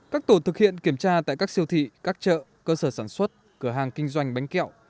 các tổ thực hiện kiểm tra tại các siêu thị các chợ cơ sở sản xuất cửa hàng kinh doanh bánh kẹo